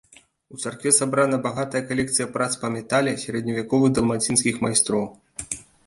У царкве сабрана багатая калекцыя прац па метале сярэдневяковых далмацінскіх майстроў.